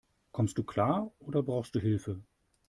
Kommst du klar, oder brauchst du Hilfe?